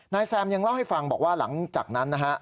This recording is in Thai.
แซมยังเล่าให้ฟังบอกว่าหลังจากนั้นนะฮะ